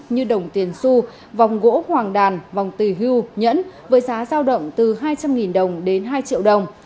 như đồng tiền su vòng gỗ hoàng đàn vòng từ hưu nhẫn với giá giao động từ hai trăm linh đồng đến hai triệu đồng